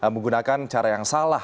menggunakan cara yang salah